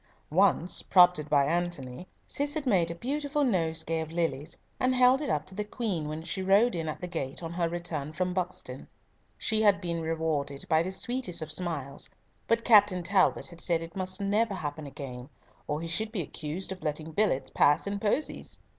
Once, prompted by Antony, Cis had made a beautiful nosegay of lilies and held it up to the Queen when she rode in at the gate on her return from Buxton. She had been rewarded by the sweetest of smiles, but Captain Talbot had said it must never happen again, or he should be accused of letting billets pass in posies.